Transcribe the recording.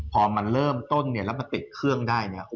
พอมันเริ่มต้นแล้วมันติดเครื่องได้